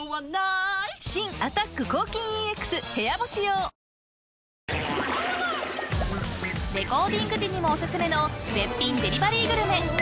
新「アタック抗菌ＥＸ部屋干し用」［レコーディング時にもお薦めの絶品デリバリーグルメ］